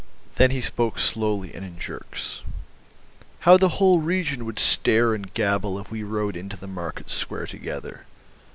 Then he spoke slowly and in jerks. "How the whole region would stare and gabble if we rode into the market square together.